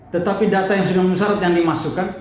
tetapi data yang sudah memenuhi syarat yang dimasukkan